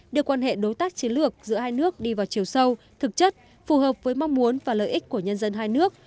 đưa quan hệ đối tác chiến lược giữa hai nước đi vào chiều sâu thực chất phù hợp với mong muốn và lợi ích của nhân dân hai nước